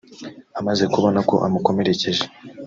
Amaze kubona ko amukomerekeje